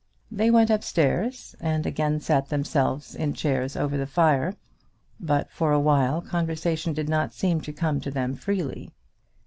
They went up stairs and again sat themselves in chairs over the fire; but for a while conversation did not seem to come to them freely.